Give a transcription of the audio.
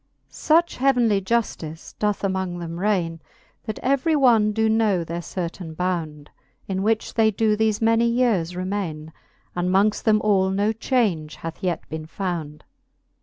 Such heauenly juftice doth among them raine, That every one doe know their certaine bound, In which they doe thefe many yeares remaine, And mongft them all no change hath yet beene found.